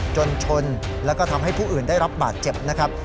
ชนแล้วก็ทำให้ผู้อื่นได้รับบาดเจ็บนะครับ